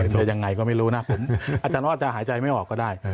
จะยังไงก็ไม่รู้นะอาจารย์ว่าจะหายใจไม่ออกก็ได้